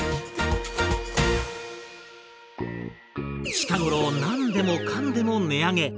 近頃何でもかんでも値上げ。